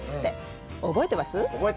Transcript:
覚えてます！